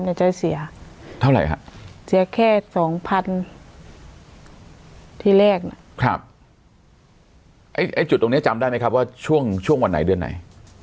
จะเสียเท่าไหร่ฮะเสียแค่สองพันที่แรกนะครับไอ้จุดตรงเนี้ยจำได้ไหมครับว่าช่วงช่วงวันไหนเดือนไหน